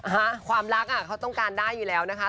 ความรักอ่ะเขาต้องการได้อยู่แล้วนะคะ